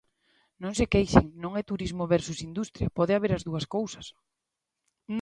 Non se queixen, non é turismo versus industria, pode haber as dúas cousas.